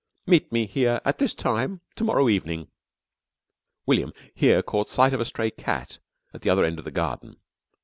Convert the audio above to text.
Meet me here at this time to morrow evening." William here caught sight of a stray cat at the other end of the garden.